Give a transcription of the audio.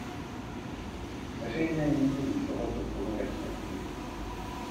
Veřejné mínění tohoto druhu respektuji.